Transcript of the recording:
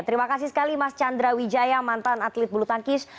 terima kasih sekali mas chandra wijaya mantan atlet bulu tangkis